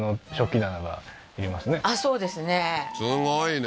すごいね